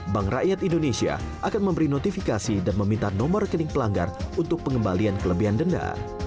bank rakyat indonesia akan memberi notifikasi dan meminta nomor rekening pelanggar untuk pengembalian kelebihan denda